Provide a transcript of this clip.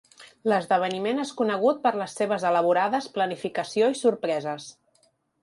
L'esdeveniment és conegut per les seves elaborades planificació i sorpreses.